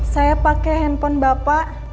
saya pakai handphone bapak